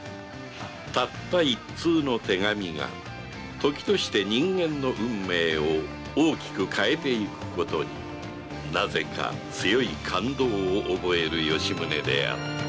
たった一通の手紙がときとして人間の運命を大きく変えていくことになぜか強い感動を覚える吉宗であった